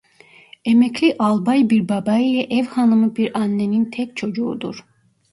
Emekli albay bir baba ile ev hanımı bir annenin tek çocuğudur.